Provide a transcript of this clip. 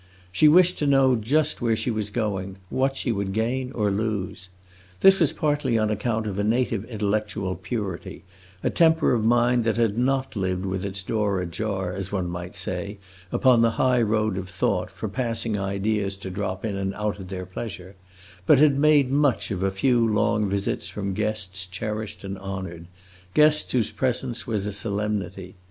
She wished to know just where she was going what she would gain or lose. This was partly on account of a native intellectual purity, a temper of mind that had not lived with its door ajar, as one might say, upon the high road of thought, for passing ideas to drop in and out at their pleasure; but had made much of a few long visits from guests cherished and honored guests whose presence was a solemnity.